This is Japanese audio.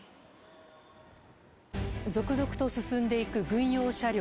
続々と進んでいく軍用車両。